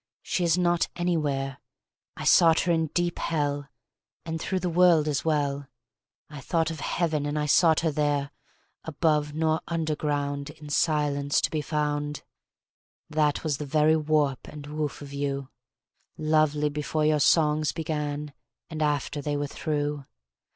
She is not anywhere! I sought her in deep Hell; And through the world as well; I thought of Heaven and I sought her there; Above nor under ground Is Silence to be found, That was the very warp and woof of you, Lovely before your songs began and after they were through!